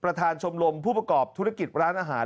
ประธานชมรมผู้ประกอบธุรกิจร้านอาหาร